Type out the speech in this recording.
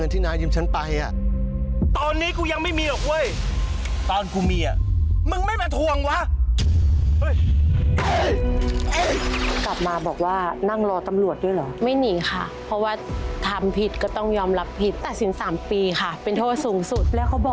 ถูกไปแล้ว๑ตำแหน่งนะคะ